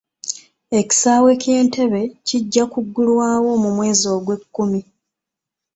Ekisaawe ky'Entebbe kijja kuggulwawo mu mwezi gw'ekkumi.